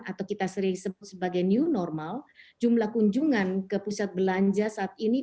atau kita sering sebut sebagai new normal jumlah kunjungan ke pusat belanja saat ini